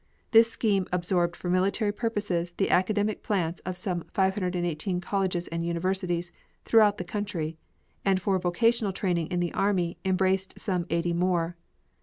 This scheme absorbed for military purposes the academic plants of some 518 colleges and universities throughout the country, and for vocational training in the army embraced some eighty more.